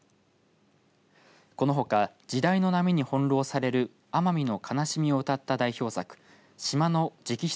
このほか時代の波に翻弄される奄美の悲しみをうたった代表作島の直筆